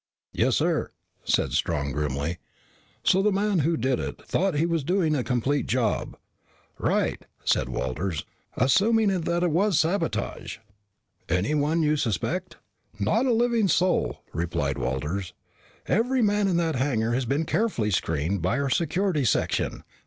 "Yes, sir," said Strong grimly. "So the man who did it thought he was doing a complete job." "Right," said Walters. "Assuming that it was sabotage." "Anyone you suspect?" "Not a living soul," replied Walters. "Every man in that hangar has been carefully screened by our Security Section.